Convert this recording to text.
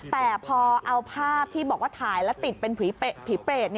แต่พอเอาภาพที่บอกว่าถ่ายแล้วติดเป็นผีเปรต